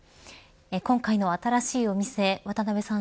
今回の新しいお店渡辺さん